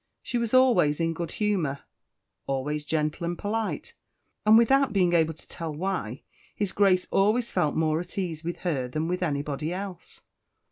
She was always in good humour always gentle and polite and, without being able to tell why, his Grace always felt more at ease with her than with anybody else.